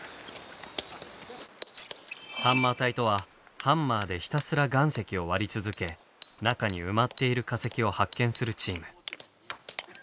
「ハンマー隊」とはハンマーでひたすら岩石を割り続け中に埋まっている化石を発見するチーム。